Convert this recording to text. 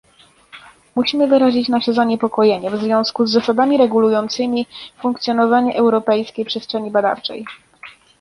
Musimy wyrazić nasze zaniepokojenie w związku z zasadami regulującymi funkcjonowanie europejskiej przestrzeni badawczej